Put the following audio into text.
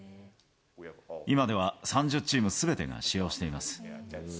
今では３０チームすべてが使用しています。